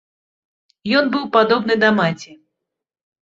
Ён быў падобны да маці.